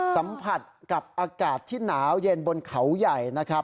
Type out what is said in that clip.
สัมผัสกับอากาศที่หนาวเย็นบนเขาใหญ่นะครับ